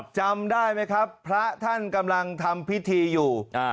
จำได้ไหมครับพระท่านกำลังทำพิธีอยู่